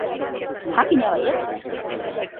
Jakina baietz!